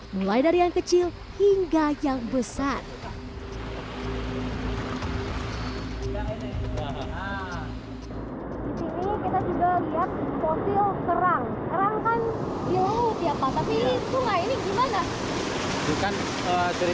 mulai dari yang kecil hingga yang besar